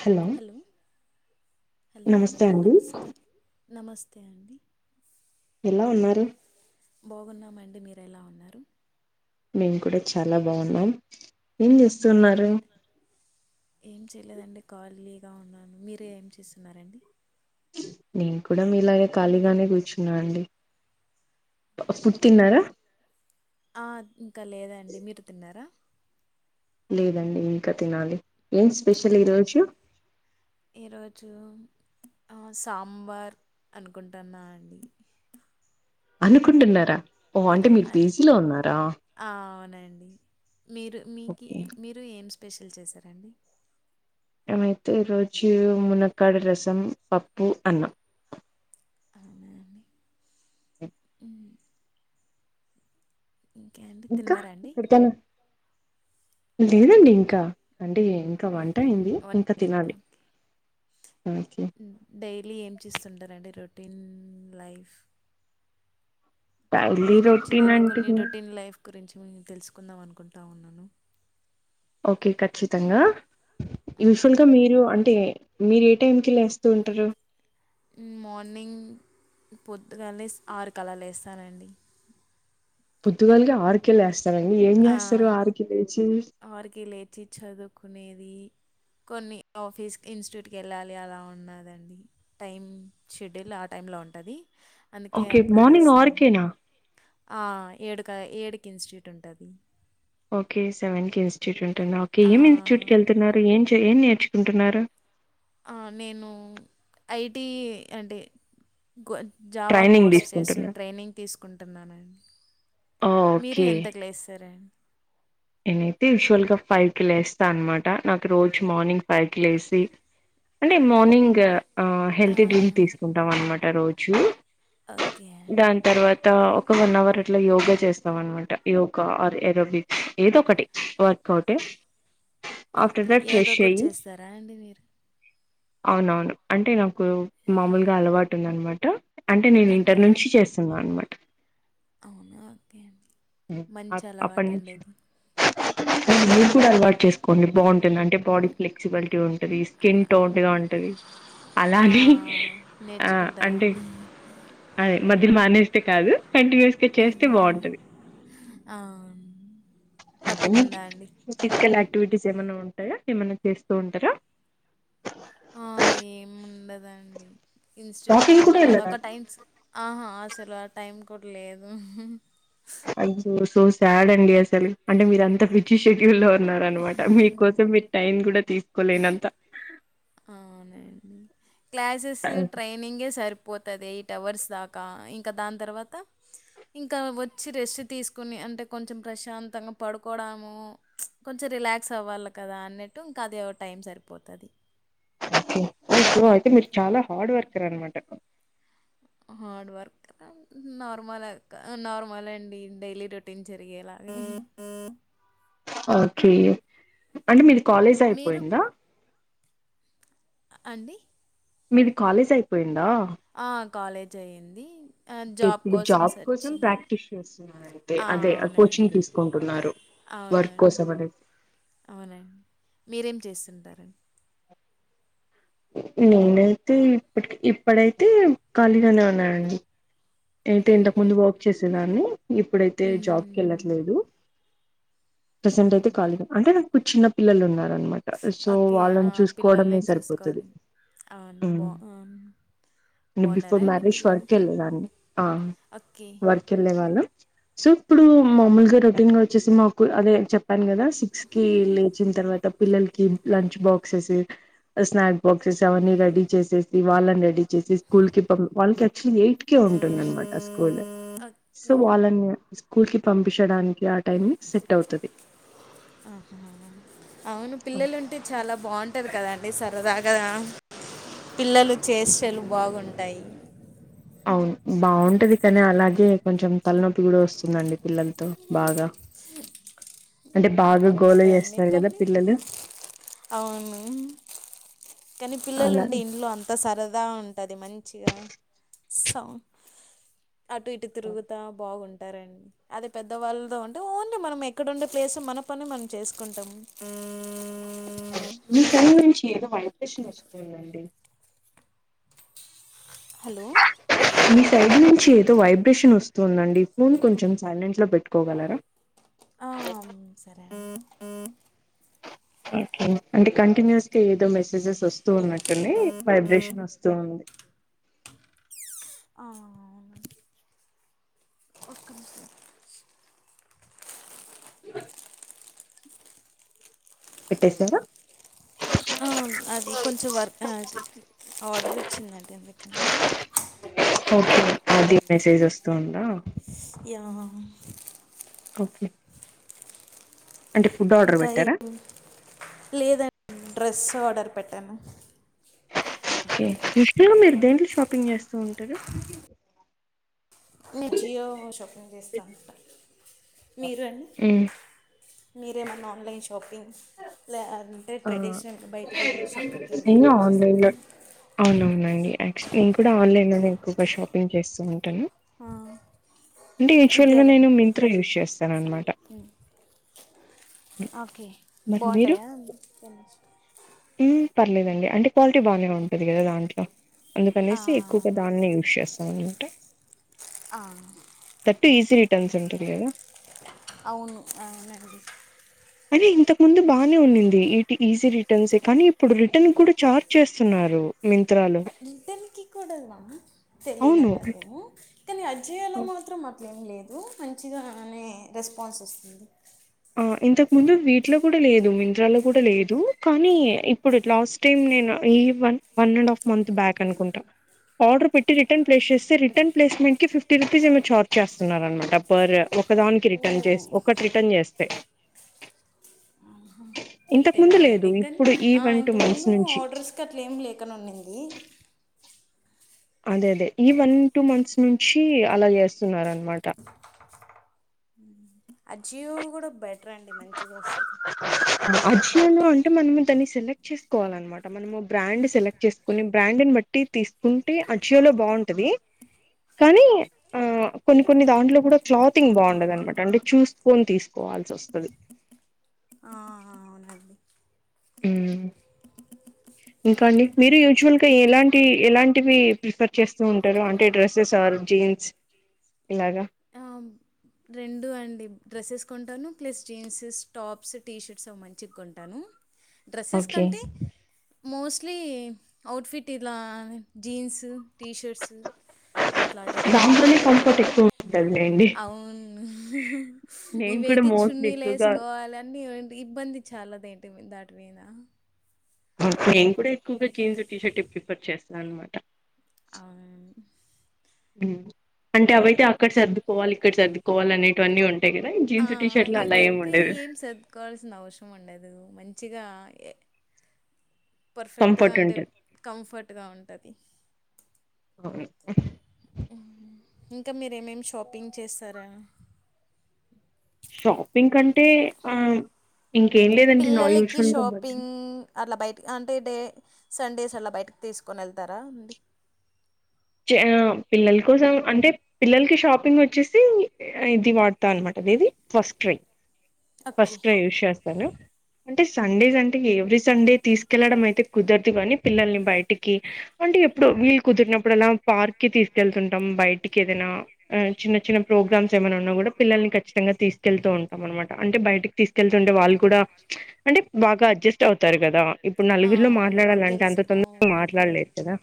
Hello hello నమస్తే అండి నమస్కార్ నమస్తే అండి ఎలా ఉన్నారు బాగున్నామండి మీరు ఎలా ఉన్నారు మేము కూడా చాలా బాగున్నాం ఏం చేస్తా ఏం చెయలేదండి ఖాళీగా ఉన్నాను మీరుే ఏం చేస్తున్నారండి నేను కూడా మీలాగే ఖాళీగానే కూర్చున్నా అండి ఓ ఫుడ్ తిన్నారా ఆ ఇంకా లేదాండి మీరు తిన్నారా లేదండి ఇంకా తినాలి ఏం ఆ స్పెషల్ ఈరోోజు ఈరోజు ఆ సాంబార్ అనుకుంటున్నా అండి అనుకుంటున్నారా ఓ అంటే ఆ మీరు పిజీలో ఉన్నారా అండి మీరు మీకి ఓకే మీరు ఏం స్పెషల్ చేశారండి మేమైతే రోజు మునక్కాడ రసం పప్పు అన్నం ఉ ఇంకే అండి ఇంకా తిన్నారాండి ఎక్కడికైనా లేదండి ఇంకా అంటే ఇంకా వంట అయింది వంట ఇంకా తినాలి ఓకే ఉ డైలీ ఏం చేస్తుంటారంండి రొటీన్ లైఫ్ డైలీ మీ నుంచి రొటీన్ నేను అంటే కొన్ని రొటీన్ లైఫ్ గురించి మీ తెలుసుకుందాం అనుకుంటా ఉన్నాను ఓకే ఖచ్చితంగా ఆ, యూజువల్ గా మీరు అంటే మీరు ఏ టైంకి లేస్తూ ఉంటారు మార్నింగ్ పొద్దుగాలే లెస్ ఆరు కి అలా లేస్తానండి పొర్తుగాల్గా ఆర్కె లెస్ అవును ఆరుకి లేచి చదువుకునీ కొన్ని ఆఫీస్ ఇన్స్టిట్యూట్ వెళ్ళాలి అలా ఉన్నాదండి టైం షెడ్యూల్ ఆ టైం లో ఉంటది ఓకే మార్నింగ్ ఆరుకే నా ఆ ఏడుక ఏడుకి ఇన్స్టిట్యూట్ ఉంటది ఓకే సెవెన్ కి ఇన్స్టిట్యూట్ ఉంటుంద ఓకే ఏం ఇన్స్ట్యూట్కి వెళ్తున్నారు ఏం చే ఏం నేర్చు కుంటున్నారు ఆ నేను ఐటీ అంటే కోన్ జావా ట్రైనింగ్ కోర్స్ చేసు తీసుకుంటున్నారు ట్రైనింగ్ తీసుకుంటున్నానుండి మీరు ఓకే ఎంత కి లేస్తారడి నేనైతే యూజువల్ గా ఫైవ్ కి లేస్తా అనమాట నాకు రోజు మార్నింగ్ ఫైవ్ కి లేసి అంటే మార్నింగ్ ఆ హెల్తీ డ్రింక్ తీసుకుంటాం అనమాట రోజు ఓకే దాని తర్వాత ఒక వన్ అవర్ అట్లా యోగా చేస్తాం అనమాట యోగా ఆర్ ఎరోబిక్స్ ఏద ఒకటి workout after that yoga fresh కూడా అయ్యి చేస్తారా అండి మీరు అవునవును అంటే నాకు మామూలుగా అలవాటు ఉందనమాట అంటే నేను ఇంటర్ ఓకే నుంచి చేస్తున్నా అన్నమాట అవునా అగే అ అప్పటి నుంచి [inaudible] మీరు కూడా అలవాటు చేసుకోండి బాగుంటుంది అంటే బాడీ ఫ్లెక్సిబిలిటీ ఉంటుంది స్కిన్ టోన్ అలా ఉంటది ఆ, అలానే ఆ అంటే నేర్చుకుంటామండి అదే మధ్యలో మానేస్తే కాదు కంటిన్యూస్ గా చేస్తే బాగుంటది ఆ, తప్పకుండా అండి ఫిజికల్ యాక్టివిటీస్ ఏమైనాఉంటే కదా ఏమన్నా చేస్తూ ఉంటారా ఆ ఏం ఉండదండి ఇన్స్టిట్యూట్కి వాకింగ్ కూడా వెళ్ళాడు అదొ వెళ్ళరా ఒక అండి టైం ఆహా అసలు ఆ టైం కూడా లేదు అయ్యో సో సాడ్ అండి అసలు అంటే మీరు అంత పిచ్చి షెడ్యూల్ లో న్నారనమాట మీకోసం మీరు టైం కూడా తీసుకోలేనంత అవునండి క్లాసెస్ ట్రైనింగే సరిపో పోతది ఎయిట్ అవర్స్ దాకా ఇంకా దాని తర్వాత ఇంకా వచ్చి రెస్ట్ తీసుకుని అంటే కొంచెం ప్రశాంతంగా పడుకోవడము కొంచెం రిలాక్స్ అవ్వాలి కదా అన్నట్టు ఇంకా అదె టైం సరిపోతుంది అయితే మీరు చాలా హార్డ్ వర్కర్ అనమాట హార్డ్ వర్క్ నార్మల్ నార్మల్ అండి డైలీ రొటీన్ జరిగేలాగా [inaudible] ఓకే అంటే మీది కాలేజ్ మీరు అయిపోయిందా అండి మీది కాలేజ్ అయిపోయిందా ఆ కాలేజ్ అయ్యింది ఇప్పుడు జాబ్ కోసం ప్రాక్టీస్ చేస్తున్నారుయితే ఆ! అదే అవునండి. కోచింగ్ తీసుకుంటున్నారు వర్క్ అవునండి. కోసం అనేది అవునండి మీరేం చేస్తుంటారండి నేనైతే ఇప్ప ఇప్పుడైతే ఖాళీగానే ఉన్నానండి అయితే ఇంతకు ఓకే. ముందు వర్క్ చేసేదాన్ని ఇప్పుడైతే జాబ్ కి హ్మ్. వెళ్ళట్లేదు ప్రజెంట్ అయితే అంతే. కళీ అంటే నాకు ఇప్పుడు చిన్న పిల్లలు ఉన్నారు అనమాట సో ఓకే. ఆ! వాళ్ళని పిల్లోల్ని చూసుకోవడమే సరిపోతుది చూసుకోవాలి. అవును బా ఆన్ ను బిఫోర్ మ్యారేజ్ వర్క్ వెళ్ళలేదాన్ని ఆ ఓకే. వర్క్ వెళ్ళేవాళ్ళ సో ఇప్పుడు మామూలుగా రొటీన్ గా వచ్చేసి మాకు అదే చెప్పాను కదా సిక్స్ కి లేచి వచ్చిన తర్వాత పిల్లలకి లంచ్ బాక్సెస్ స్నాక్ బాక్సెస్ అవన్నీ రెడీ చేసేసి వాళ్ళని రెడీ చేసి స్కూల్ కి వాళ్ళకి యాక్చువల్లీ ఎయిట్ కి ఉంటుందన్న మాట స్కూల్ సో ఓకే. వాళ్ళని స్కూల్ కి పంపించడానికి ఆ టైం సెట్ అవుతది ఆహ అవును పిల్లలుంటే చాలా బాగుంటది కదాండి సరదాగా గా పిల్లలు చేష్టలు బాగుంటాయి అవును బాగుంటది కానీ అలాగే కొంచెం తలనొప్పి కూడా వస్తుందండి పిల్లలతో బాగా అంటే బాగా గోలు నార్మలే అండి చేస్తారు కదా కానీ పిల్లలు అవును కానీ పిల్లలు అలా ఉంటే ఇంట్లో అంతా సరదా ఉంటుంది మంచిగా స అటు ఇటు తిరుగుతా బాగుంటుంది అంటారండి అది పెద్దవాళ్ళతో ఉంటే ఓన్లీ మనం ఎక్కడండే క్లేసు మనపని మనం చేసుకుంటం మీ ఫోన్ గురించి ఏదో వైబ్రేషన్ వస్తుందండి హలో మీ సైడ్ నుంచి ఏదో వై బ్రేషన్ వస్తుందండి ఫోన్ కొంచెం సైలెంట్లో పెట్టుకోగలరా ఆ సరే అండి అంటే కంటిన్యూస్ గా ఏదో మెసేజెస్ వస్తు స్తూన్నట్టుండీ వైబ్రేషన్ వస్తూంది ఆ అవును ఒక్క బస్సు పెట్టేసరా ఆ అది కొంచెం వర్క్ ఆ ఆర్డరోచ్చిందండి అందుకని ఓకే అది మెసేజ్ వస్తావుందా యేవో ఒకే ఇంకా ఏం లేదం డ్రెస్సార్డర్ పెట్టాను యూజ్ వల్ గా మీరు దేంట్లో షాపింగ్ చేస్తా ఉంటారు నేన్ జియో షాపింగ్ జేస్తా ఉంట మీరు అండి మీరేమన్నా ఆన్లైన్ షాపింగ్ లా అంటే ఆ ట్రెడిషనల్ గ బయటకెళ్ళి షాపింగ్ కెళ్ళి నేను ఆన్లైన్ లో అవునవునండి ఆక్చు నేను కూడా ఆన్లైన్ లోనే ఎక్కువగా షాపింగ్ చేస్తను టను అంటే యూజువల్ గా విద్యాధన్ నేను మింత్ర యూస్ చేస్తనన్ మాట ఆకే బావుంటయా ఏం పర్లేదండి అంటె క్వాల్టీ బానే ఉంటది గా దాంట్ల ఆ, అందుకనేసి ఎక్కువగా దాన్నే యూస్ చేస్తావున్న ఆ మంచిగుంటది గదా అవును అవునండి అరే ఇంతక్ ముందు బానే ఉన్నింది ఈ టి ఈజీ రిటర్న్సె కానీ ఇప్పుడు రిటర్న్ కూడా ఛార్జ్ చేస్తున్నారూ రిటన్ కి కూడా నా సేల్ అవును లేదంట ఊ కనీ అజయాలో మాత్రం ట్లేం లేదు మంచిగానే రెస్పాన్స్ వస్తుంది ఆ ఇంతక్ ముందు వీటిలో కూడా లేదు మిత్రాలో కూడా లేదు కానీ ఇప్పుడు లాస్ట్ టైం నేను ఈ one one and half month back అనుకుంట ఆర్డర్ పెట్టి రిటర్న్ ప్లేస్ చేస్తే రిటర్న్ ప్లేస్మెంట్ కి ఫిఫ్టీ రూపీస్ ఏమో ఛార్జ్ చేస్తున్నన్నారన్మాట పర్ ఒకదానికి రిటర్న్ చేస్ ఓ ఒకటి రిటర్న్ జేస్తె తెలియదండి కనీ ఆ వన్ టూ మంత్స్ ఇంతకుముందూ నుంచి ఆర్డర్స్కట్లేం లేకనుండింది అదేదే ఈ వన్ టూ మంత్స్ నుంచీ అలా జేస్తున్నారన్మాట అచీవ్ గూడ బెట్రండి మంచిగొస్తది అచీవ్ లో అంటే మనం దాన్ని సెలెక్ట్ చేసుకోవాలన్మాట మనము బ్రాండ్ సెలెక్ట్ చేసుకొని బ్రాండ్ బట్టి తీసుకుంటే అచీవ్ లో బావుంటదీ కానీ ఆ కొన్ని కొన్ని దాంట్లో కూడా క్లాతింగ్ బాగుండదన్మాట అంటే చూసుకొని తీసుకొ వాల్సొస్తది ఆ అవున ఉమ్మ్మ్ ఇంకా అండి మీరు యూజ్వల్ గా ఎలాంటి ఎలాంటివి ప్రిఫర్ చేస్తూ ఉంటారు అంటే డ్రెస్సెస్ ఆరు ఇంచ్ ఇలాగా రెండూ అండి డ్రెస్సెస్ కొంటాను ప్లస్ జీన్సెస్ టాప్స్ టీ షర్ట్స్ అవి మంచివ్ కొంటాను డ్రెస్సెస్ ఓకే కంటే మోస్ట్లీ ఔట్ఫిట్ ఇలా జీన్స్ టీ షర్ట్స్ అట్లాటి కొడుత్న దాంట్లోనే కొంటాను కంఫర్ట్ ఎక్కువ ఉంటదిలేండి అవున్ నేను కూడా ఇవైతే మోస్ట్లీ ఎక్కువగా చున్నీలేసుకోవాలని డి ఇబ్బంది చాల దేంటి దాటి మీద ఓకే నేను కూడా ఎక్కువగా జీన్స్ టీషర్ట్ ప్రిఫర్ చేస్తాను అనమాట అవునా అండి అంటే అవైతే అక్కడ సర్దుకోవాలి ఇక్కడ సర్దుకోవాలి అనేటువన్నీ ఉం ఆ ఇవైతే ఏం సర్దుకోవాల్సిన అవసరం ఉండదు మంచిగా ఏ పర్ఫెక్ట్గా కంఫర్ట్ అంటే ఉంటది కంఫర్ట్గా ఉంటది అవును ఇంకా మీరేమేమి షాపింగ్ చేస్తారా షాపింగ్ కంటే ఆ ఇంకేం లేదండి నా పిల్లలకి యూజువల్గా బట్టలు షాపింగ్ అట్లా బయట అంటే డే సండేస్ అలా బయటకి తీసుకని ఎళ్తారా అండి పిల్లల కోసం అంటే పిల్లలకి షాపింగోచ్చేసి ఇది వాడతా అన్నమాట అనేది first cry okay. First cry use చేస్తాను అంటే సండేస్ అంటే ఎవ్రీ సండే తీసుకెళ్లడం అయితే కుదరదు కాని పిల్లల్ని బయిటికి అంటే ఎప్పుడు వీళ్ కుదిరినప్ ఇప్పుడన్నా పార్క్ కి తీసుకెళ్తుంటాం బయిటికి ఏదైనా చిన్న చిన్న ప్రోగ్రామ్స్ ఏమైన ఉన్నా గుడా పిల్ల ఖచ్చితంగా తీసుకెళ్తూ ఉంటాం అనమాట అంటే బయటికి తీసుకెళ్తు ఉంటే వాళ్ళ్ కూడా అంటే బాగా అడ్జస్ట్ అవుతారు గదా ఇప్పుడు ఆ! నలుగురిలో అవును. మాట్లాడాలంటే తెలుసు. అంత తొందరగా అవును. మాట్లాడ ల్లేరు కదా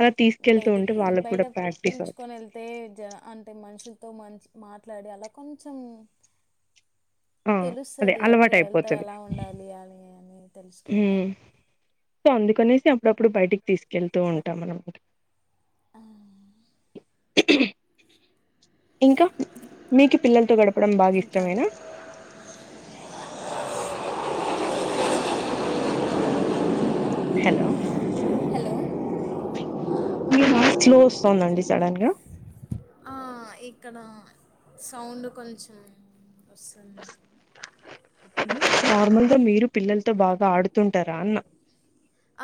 ప్రతీస్ బయటకి బయటక్ పిలుచుకొనేళ్తే జన అంటే మనుషులతో మంచి మాట్లాడియాల కొంచెం ఆ అదే తెలుస్తది ఎవరు అలవాటు ఎళ్తా అయిపోతది ఎలా ఉండాలి అని అన్ని తెలుసుకుంటారు సో అందుకనేసి అప్పుడప్పుడు బయటికి తీసుకెళ్తూ ఉంటాం అనమాట ఆ ఇంకా మీకు పిల్లలతో గడపడం బాగా ఇంకా ఇష్టమేనా హలో హలో మీ వాయిస్ స్లో వస్తోందండి సడన్ గా ఆ ఇక్కడ సౌండ్ కొంచెం వస్తుంన్నది నార్మల్గా మీరు పిల్లలతో బాగా ఆడుతుంటారా అన్న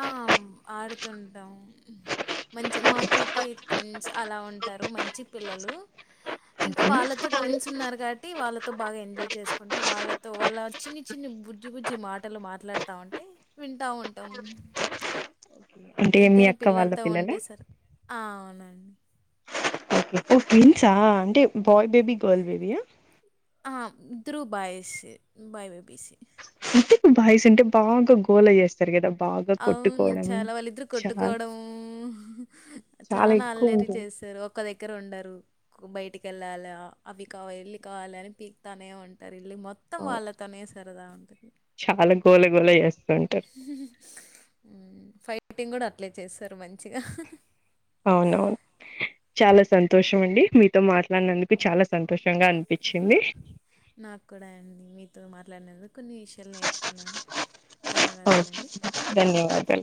ఆ ఆడుతుంటామ్ మంచి మాకైతే ట్వన్స్ అలా ఉంటారు మంచి పిల్లలు ఇంకా వాళ్ళతో ట్విన్స్ ఉన్నారు గాట్టి వాళ్ళతో బాగా ఎంజాయ్ చేసుకుంటూ వాళ్ళతో వాళ్ళ చిన్ని చిన్ని బుజ్జి బుజ్జి మాటలు మాట్లాడుతా ఉంటే వింటా ఉంటాం అంటే మీ ఎంతైనా అక్క వాళ్ళ పిల్లలతో పిల్లల ఉంటే సర్ ఆ అవునం ఓకే ఓ ట్విన్సా అంటే బాయ్ బేబీ గర్ల్ బేబీయా ఆ ఇధ్రు బాయిసే బాయ్ బేబీసే అంటే బాయస్ అంటే బాగా గోలా జేస్తారు గదా అవును చాలా వాళ్ళిద్దరు కొట్టుకోవడం చాలా చానా ఎక్కువ అల్లరి ఉంటుంది చేసార్ ఒక దగ్గర ఉండరు బయటికి ఎళ్ళాలా అవి కావ ఎల్ళ కావాలి అని పీక్తానే ఉంటరు [unintelligible] మొత్తం అవును వాళ్ళ తోనే సరేదా ఉంట చాలా గోళ గోళ జేస్తా ఉంటరు ఊమ్ ఫైటింగ్ గుడా అట్లే చేస్తారు మంచిగా అవునవున్ చాలా సంతోషమండి మీతో మాట్లాన్నందుకు చాలా సంతోషంగా అనిపించింది నాక్కూడ అండి మీతో మాట్లాడినందు కొన్ని విషయాలు నేర్చుకున్నాను ఓకే ధన్యవాదాలండి ధన్యవాదాలు